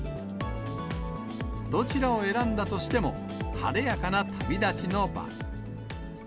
どちらを選んだとしても、晴れやかな旅立ちの場。